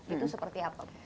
itu seperti apa